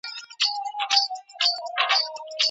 علمي مجله په خپلواکه توګه نه اداره کیږي.